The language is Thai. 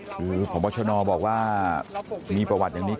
คือพบชนบอกว่ามีประวัติอย่างนี้